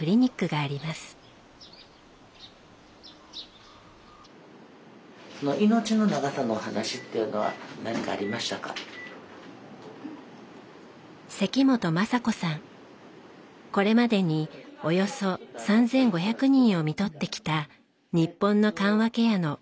これまでにおよそ３，５００人をみとってきた日本の緩和ケアの草分け的な存在です。